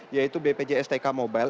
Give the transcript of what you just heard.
yaitu bpjs tk mobile